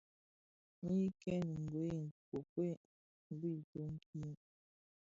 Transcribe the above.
Nyi kèn gwed nkuekued bi itön ki.